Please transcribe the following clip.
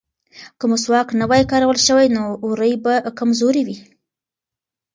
که مسواک نه وای کارول شوی نو وورۍ به کمزورې وې.